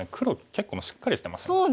結構しっかりしてますよね。